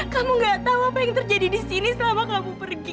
kamu gak tahu apa yang terjadi di sini selama kamu pergi